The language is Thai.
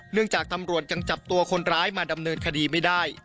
จากตำรวจยังจับตัวคนร้ายมาดำเนินคดีไม่ได้